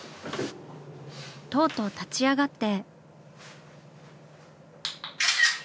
とうとう立ち上がって。